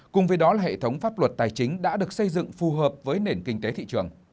cùng với đó là hệ thống pháp luật tài chính đã được xây dựng phù hợp với nền kinh tế thị trường